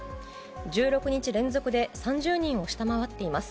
１６日連続で３０人を下回っています。